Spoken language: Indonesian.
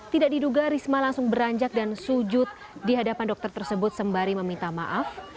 tidak diduga risma langsung beranjak dan sujud di hadapan dokter tersebut sembari meminta maaf